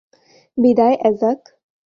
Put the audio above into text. বিদায়, অ্যাজাক।